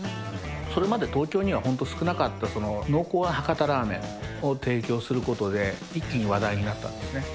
それまで東京には本当、少なかったその濃厚な博多ラーメンを提供することで、一気に話題になったんですね。